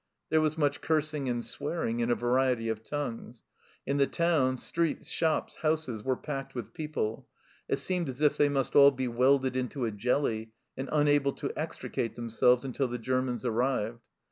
There was much cursing and swearing in a variety of tongues. In the town, streets, shops, houses, were packed with people ; it seemed as if they must all be welded into a jelly, and unable to extricate themselves until the Germans arrived.